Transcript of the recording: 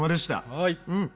はい！